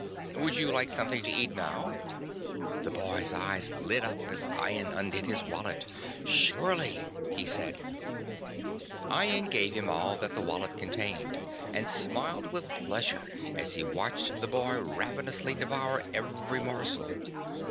"Would you like something to eat now?" The boy's eyes lit up as Ian undid his wallet. "Surely," he said. Ian gave him all that the wallet contained and smiled with pleasure as he watched the boy ravenously devour every morsel.